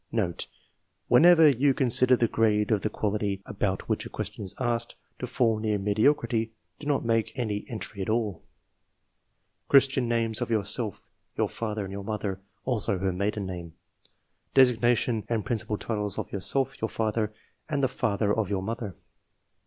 Note. — Whenever you consider the grade of the quality about which a question is asked, to fall near mediocrity, do not make any entry at all. '^ vi£tian names of yourself, your father, and your APPENDIX. 263 mother, also her maiden name ? Designation and prin cipal titles of yourself, your father, and the father of your mother